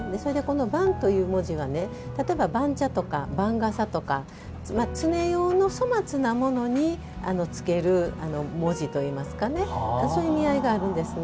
「番」という文字は番茶とか番傘とか常用の粗末なものにつける文字といいますかそういう意味合いがあるんですね。